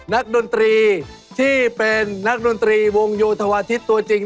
ดนตรีที่เป็นนักดนตรีวงโยธวาทิศตัวจริง